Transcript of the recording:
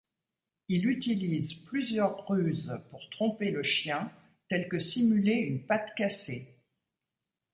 Il utilise plusieurs ruses pour tromper le chien, tel que simuler une patte cassée.